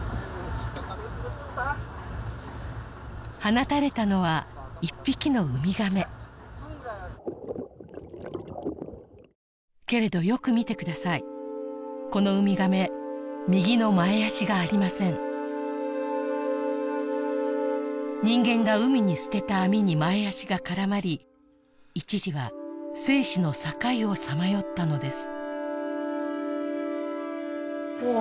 放たれたのは１匹のウミガメけれどよく見てくださいこのウミガメ右の前足がありません人間が海に捨てた網に前足が絡まり一時は生死の境をさまよったのですもう